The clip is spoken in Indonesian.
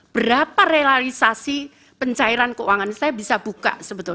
berapa realisasi pencairan keuangan saya bisa buka sebetulnya